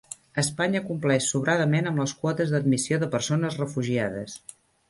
Espanya compleix sobradament amb les quotes d'admissió de persones refugiades